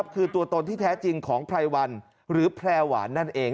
คือตัวตนที่แท้จริงของไพรวันหรือแพร่หวานนั่นเอง